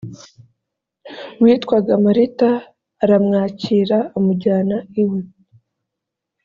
witwaga marita aramwakira amujyana iwe